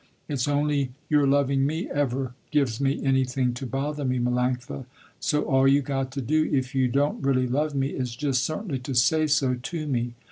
It's only your loving me ever gives me anything to bother me Melanctha, so all you got to do, if you don't really love me, is just certainly to say so to me.